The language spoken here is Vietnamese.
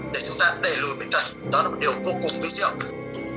để chúng ta đẩy lùi bình tĩnh đó là một điều vô cùng quý siêu